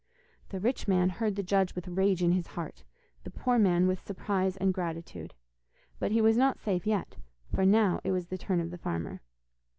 The rich man heard the judge with rage in his heart, the poor man with surprise and gratitude. But he was not safe yet, for now it was the turn of the farmer.